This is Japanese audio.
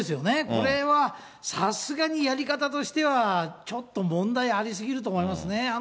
これはさすがにやり方としては、ちょっと問題ありすぎると思いますね。